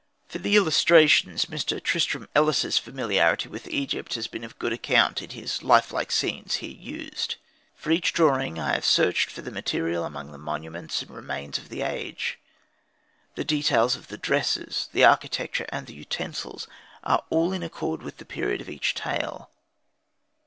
For the illustrations Mr. Tristram Ellis's familiarity with Egypt has been of good account in his life like scenes here used. For each drawing I have searched for the material among the monuments and remains of the age in question. The details of the dresses, the architecture, and the utensils, are all in accord with the period of each tale.